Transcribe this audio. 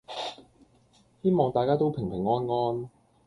希望大家都平平安安